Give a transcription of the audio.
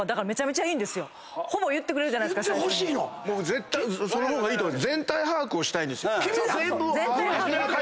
絶対その方がいいと思う。